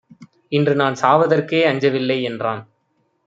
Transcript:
இன்றுநான் சாவதற்கே அஞ்சவில்லை என்றான்!